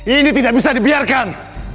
ini tidak bisa dibiarkan